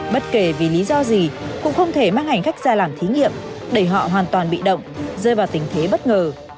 bất kể vì lý do gì cũng không thể mang hành khách ra làm thí nghiệm để họ hoàn toàn bị động rơi vào tình thế bất ngờ